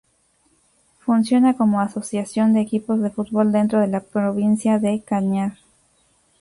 Funciona como asociación de equipos de fútbol dentro de la Provincia del Cañar.